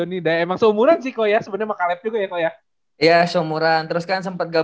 dia tahu gue orang bandung ternyata